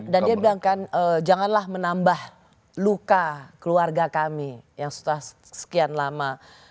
dan dia bilangkan janganlah menambah luka keluarga kami yang sudah sekian lama